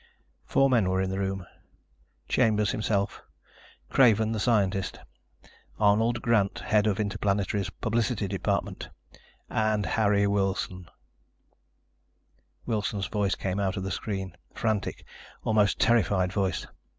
Four men were in the room Chambers himself; Craven, the scientist; Arnold Grant, head of Interplanetary's publicity department, and Harry Wilson! Wilson's voice came out of the screen, a frantic, almost terrified voice.